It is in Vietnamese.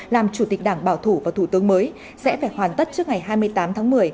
làm chủ tịch đảng bảo thủ và thủ tướng mới sẽ phải hoàn tất trước ngày hai mươi tám tháng một mươi